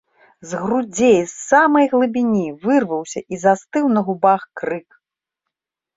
З грудзей, з самай глыбіні, вырваўся і застыў на губах крык.